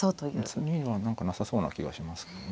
詰みは何かなさそうな気がしますけどね。